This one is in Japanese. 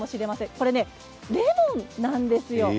これはレモンなんです。